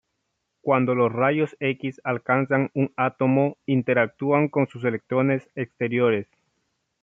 Cuando los rayos X alcanzan un átomo interactúan con sus electrones exteriores.